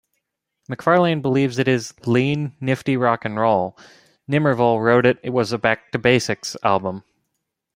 McFarlane believes it is "lean, nifty rock'n'roll"; Nimmervoll wrote it was a "back-to-basics" album.